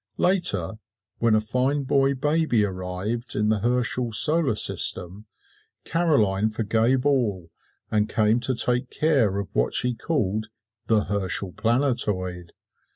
Later, when a fine boy baby arrived in the Herschel solar system, Caroline forgave all and came to take care of what she called "the Herschel planetoid."